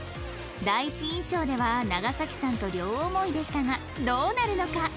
第一印象では長さんと両思いでしたがどうなるのか？